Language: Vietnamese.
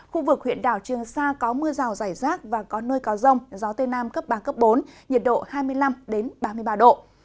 khu vực huyện đảo trường sa có mưa rào rải rác và có nơi có rông gió tây nam cấp ba cấp bốn nhiệt độ hai mươi năm ba mươi ba độ